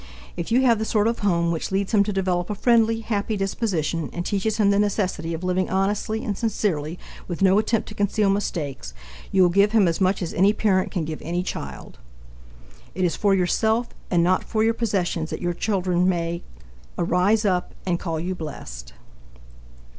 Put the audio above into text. If you have the sort of home which leads him to develop a friendly, happy disposition and teaches him the necessity of living honestly and sincerely with no attempt to conceal mistakes, you will give him as much as any parent can give any child. It is for yourself and not for your possessions that your children may "arise up, and call you blessed."